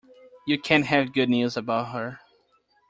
You can't have good news about her.